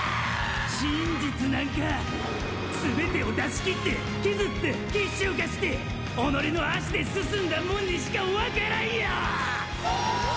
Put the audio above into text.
真実なんか全てを出しきって削って結晶化して己の脚で進んだ者にしかわからんよ